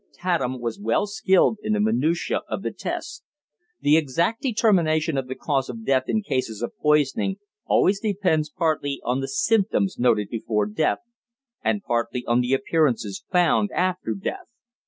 Tatham was well skilled in the minutiæ of the tests. The exact determination of the cause of death in cases of poisoning always depends partly on the symptoms noted before death, and partly on the appearances found after death.